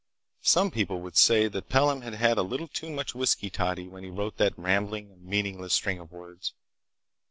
Some people would say that Pelham had had a little too much whisky toddy when he wrote that rambling, meaningless string of words.